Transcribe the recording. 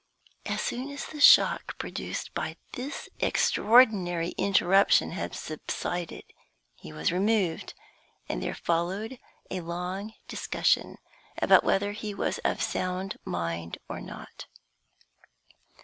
As soon as the shock produced by this extraordinary interruption had subsided, he was removed, and there followed a long discussion about whether he was of sound mind or not.